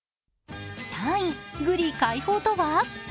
３位、グリ解散とは？